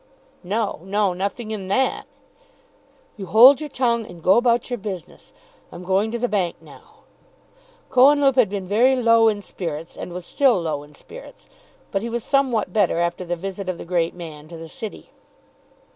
"No, no, nothing in that." "You hold your tongue, and go about your business. I'm going to the bank now." Cohenlupe had been very low in spirits, and was still low in spirits; but he was somewhat better after the visit of the great man to the City.